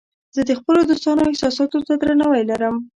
زه د خپلو دوستانو احساساتو ته درناوی لرم.